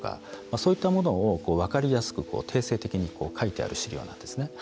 そういったものを分かりやすく定性的に書いてある資料なんです。